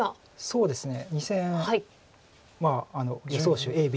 そうですね。